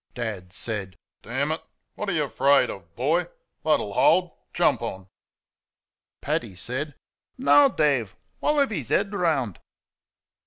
Dad said: "Damn it, what are y' 'FRAID o', boy? THAT'll hold jump on." Paddy said: "NOW, Dave, while I've 'is 'ead round."